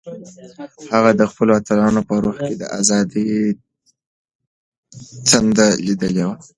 هغه د خپلو اتلانو په روح کې د ازادۍ تنده لیدلې وه.